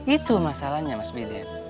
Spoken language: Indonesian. itu masalahnya mas bidin